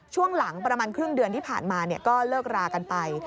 ช่วงหลังประมาณครึ่งเดือนที่ผ่านมาก็เลิกรากันไป